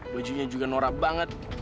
bajunya juga norak banget